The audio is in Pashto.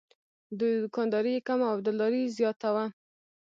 دوکانداري یې کمه او دلداري زیاته وه.